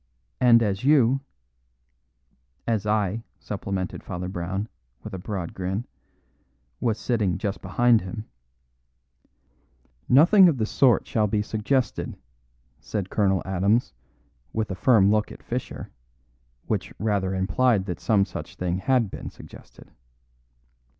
And as you " "As I," supplemented Father Brown, with a broad grin, "was sitting just behind him " "Nothing of the sort shall be suggested," said Colonel Adams, with a firm look at Fischer, which rather implied that some such thing had been suggested.